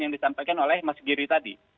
yang disampaikan oleh mas giri tadi